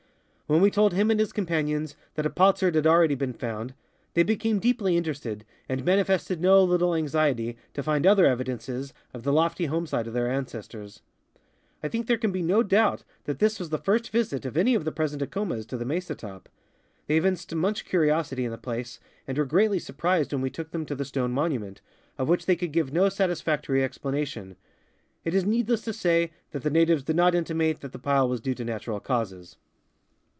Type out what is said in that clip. When we told him and his companions that a potsherd had already been found, the}'' became deeply interested and manifested no little anxiety to find other evidences of the lofty homesite of their ancestors. I think there can be no doubt that this was the first visit of any of the present Acomas to the mesa top. They evinced much curiositv in the place, and were greatly surprised when we took them to the stone monument, of which they could give no satis factory explanation. It is needless to say that the natives did not intimate that the pile Avas due to natural causes.